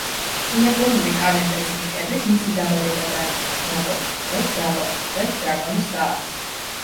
იაპონური კალენდრის მიხედვით, მისი დაბადება დაემთხვა დრაკონის თვეს, დრაკონის დღეს, დრაკონის საათს.